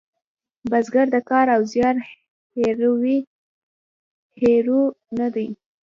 بزګر د کار او زیار هیرو نه دی